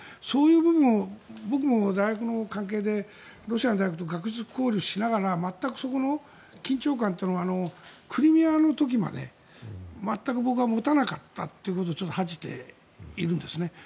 そういう部分を僕も大学の関係でロシアの大学と学術交流しながら全くそこの緊張感はクリミアの時まで全く僕は持たなかったっということを僕は恥じているんですね。